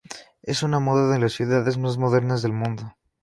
Es una moda en las ciudades más modernas del mundo.